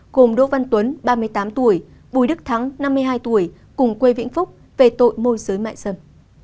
gồm đỗ văn tuấn ba mươi tám tuổi bùi đức thắng năm mươi hai tuổi cùng quê vĩnh phúc về tội môi giới mại dâm